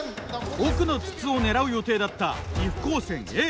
奥の筒を狙う予定だった岐阜高専Ａ。